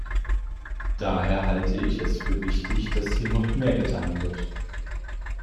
Daher halte ich es für wichtig, dass hier noch mehr getan wird.